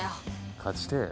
勝ちてえ？